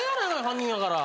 犯人やから。